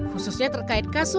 khususnya terkait kasus dugaan suap